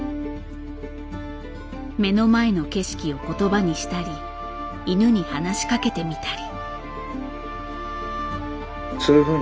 目の前の景色を言葉にしたり犬に話しかけてみたり。